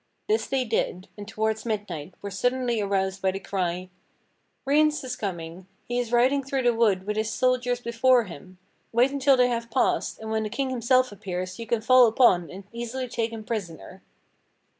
This they did, and towards midnight were suddenly aroused by the cry : "Rience is coming! He is riding through the wood with his soldiers before him! Wait until they have passed, and when the King himself appears you can fall upon and easily take him prisoner."